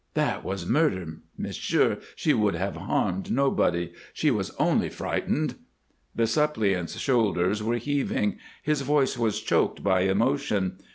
That was murder. Monsieur she would have harmed nobody. She was only frightened." The suppliant's shoulders were heaving, his voice was choked by emotion.